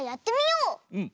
うん。